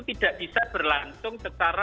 tidak bisa berlangsung